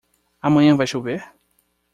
Amanhã vai chover?